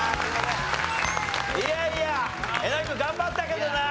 いやいやえなり君頑張ったけどな。